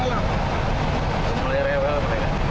mulai rewel mereka